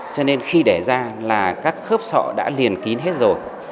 cho nên khi để ra là các khớp sọ đã liền kín hết rồi